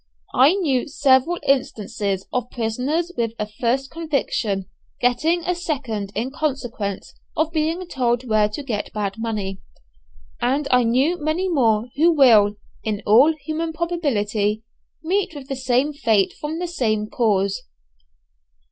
I knew several instances of prisoners with a first conviction getting a second in consequence of being told where to get bad money; and I knew many more who will, in all human probability, meet with the same fate from the same cause.